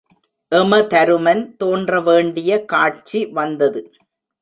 எமதருமன் தோன்ற வேண்டிய காட்சி வந்தது.